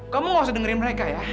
kamu gak usah dengerin mereka ya